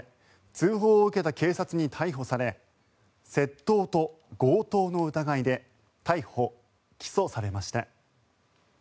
通報を受けた警察に逮捕され窃盗と強盗の疑いで逮捕・起訴されました。